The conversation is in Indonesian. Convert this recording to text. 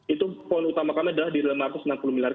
itu poin utama kami adalah di lima ratus enam puluh miliar